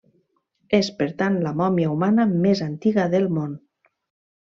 És, per tant, la mòmia humana més antiga del món.